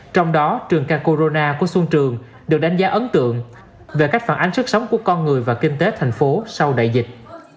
trong đó trường carcorona của xuân trường được đánh giá ấn tượng về cách phản ánh sức sống của con người và kinh tế thành phố sau đại dịch